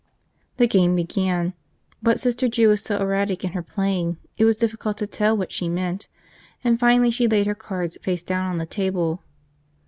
The game began. But Sister Jude was so erratic in her playing it was difficult to tell what she meant, and finally she laid her cards face down on the table.